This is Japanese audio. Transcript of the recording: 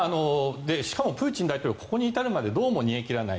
しかもプーチン大統領はここに至るまでどうも煮え切れない。